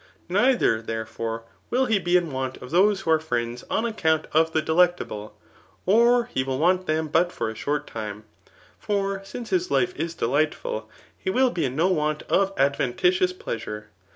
Neither, therefore, will he be in want of those who are friends on account of the delecta^ ble, or he will want them but for a short time ; for since his life is delightful, he will be in no want of adventitious pleasure.